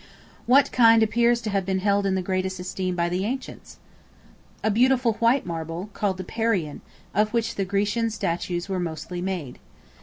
What kind appears to have been held in the greatest esteem by the ancients? A beautiful white marble, called the Parian; of which the Grecian statues were mostly made.